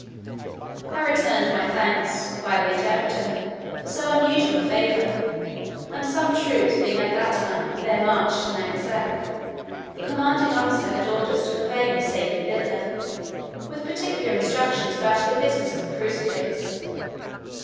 I returned my thanks, by the interpreter, for so unusual a favour; and some troops being at that time on their march to Nangasac, the commanding officer had orders to convey me safe thither, with particular instructions about the business of the crucifix.